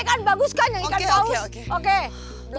ikan bagus kan yang ikan paus oke oke oke oke